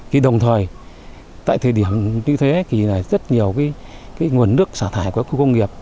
thì đồng thời tại thời điểm như thế thì rất nhiều cái nguồn nước xả thải của công nghiệp